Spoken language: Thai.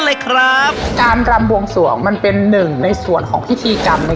เลยครับการรำบวงสวงมันเป็นหนึ่งในส่วนของพิธีกรรมใน